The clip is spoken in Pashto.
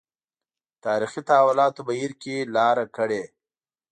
تاریخي تحولاتو بهیر کې لاره کړې.